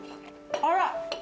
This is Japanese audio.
あら！